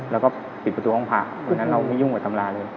แล้วก็ปิดประตูห้องผ่าวันนั้นเราไม่ยุ่งกับตำราเลย